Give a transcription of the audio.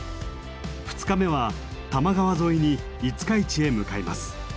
２日目は多摩川沿いに五日市へ向かいます。